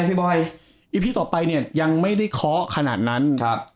พี่บอยอีพีต่อไปเนี่ยยังไม่ได้เคาะขนาดนั้นครับ